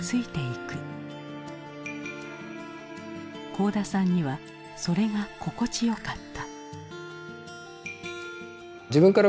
幸田さんにはそれが心地よかった。